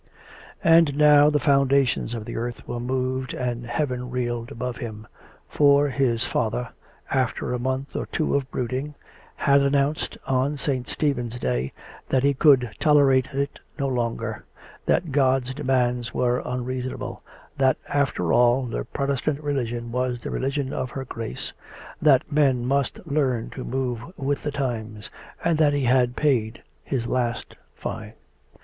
And now the foundations of the earth were moved and heaven reeled above him; for his father, after a month or two of brooding, had announced, on St. Stephen's Day, that he could tolerate it no longer; that God's demands were unreasonable; that, after all, the Protestant religion was the religion of her Grace, that men must learn to move with the times, and that he had paid his last fine.